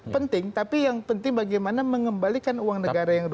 penting tapi yang penting bagaimana mengembalikan uang negara yang rusak